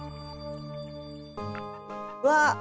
うわっ！